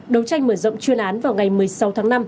đấu tranh mở rộng chuyên án vào ngày một mươi sáu tháng năm